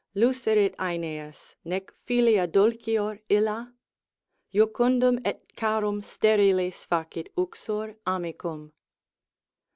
Luserit Aeneas, nec filia dulcior illa? Jucundum et charum sterilis facit uxor amicum.